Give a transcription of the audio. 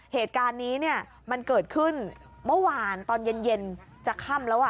เหตุการณ์นี้เนี่ยมันเกิดขึ้นเมื่อวานตอนเย็นจะค่ำแล้ว